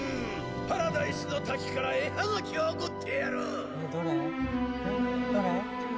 「パラダイスの滝から絵はがきを送ってやる」